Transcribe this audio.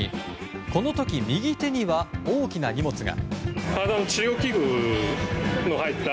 この時、右手には大きな荷物が。